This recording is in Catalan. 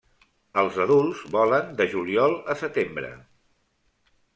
Els adults volen de juliol a setembre.